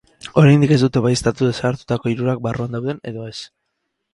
Oraindik ez dute baieztatu desagertutako hirurak barruan dauden edo ez.